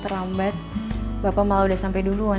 terlambat bapak malah udah sampai duluan